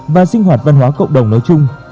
và sinh hoạt văn hóa cộng đồng nói chung